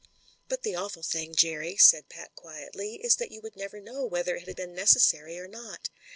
"But the awful thing, Jerry," said Pat quietly, "is that you would never know whether it had been neces sary or not.